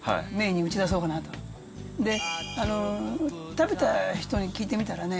食べた人に聞いてみたらね